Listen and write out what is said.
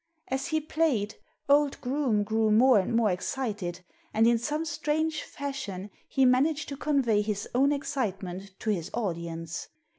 As he played old Groome grew more and more excited, and in some strange fashion he managed to convey his own excitement to his audience.